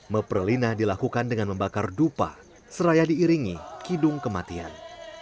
mepelina dilakukan dengan membakar dupa seraya diiringi kidung kematian